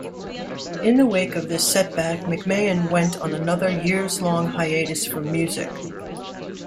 In the wake of this setback, McMahon went on another years-long hiatus from music.